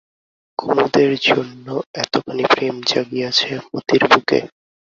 কুমুদের জন্য এতখানি প্রেম জাগিয়াছে মতির বুকে?